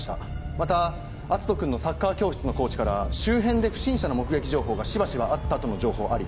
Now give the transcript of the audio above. また篤斗君のサッカー教室のコーチから周辺で不審者の目撃情報がしばしばあったとの情報あり。